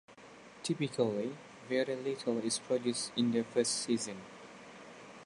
Typically, very little is produced in the first season.